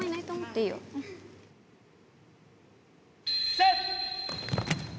セット！